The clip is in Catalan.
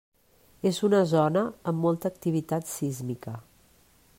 És una zona amb molta activitat sísmica.